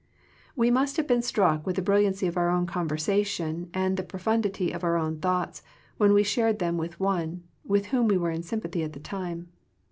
We must have been struck with the brilliancy of our own conversation and the profundity of our own thoughts, when we shared them with one, with whom we were in sympathy at the time.